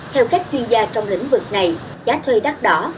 theo các chuyên gia trong lĩnh vực này giá thuê đắt đỏ